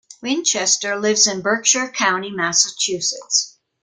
Winchester lives in Berkshire County, Massachusetts.